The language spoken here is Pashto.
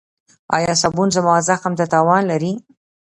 ایا صابون زما زخم ته تاوان لري؟